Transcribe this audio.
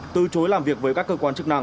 từ chối làm việc với các cơ quan chức năng